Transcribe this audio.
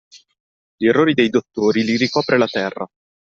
Gli errori dei dottori li ricopre la terra.